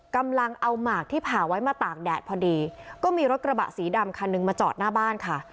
กำลังเอาหมากที่ผ่าไว้มาตากแดดพอดีก็มีรถกระบะสีดำคันหนึ่งมาจอดหน้าบ้านค่ะ